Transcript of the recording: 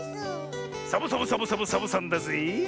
サボサボサボサボサボさんだぜえ！